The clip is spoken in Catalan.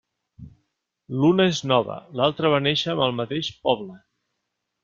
L'una és nova, l'altra va néixer amb el mateix poble.